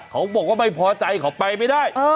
เขาบอกว่าไม่พอใจเขาไปไม่ได้